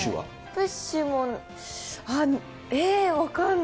プッシュも、えー、分かんな